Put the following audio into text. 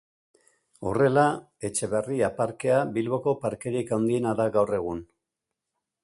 Horrela, Etxebarria Parkea Bilboko parkerik handiena da gaur egun.